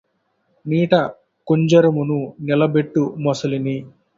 నీట కుంజరమును నిలబెట్టు మొసలిని